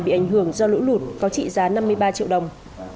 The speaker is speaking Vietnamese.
bị ảnh hưởng do lũ lụt có trị giá năm mươi ba triệu đồng